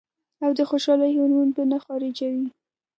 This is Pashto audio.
او د خوشالۍ هارمون به نۀ خارجوي -